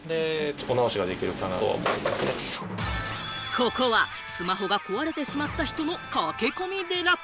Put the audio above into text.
ここはスマホが壊れてしまった人の駆け込み寺。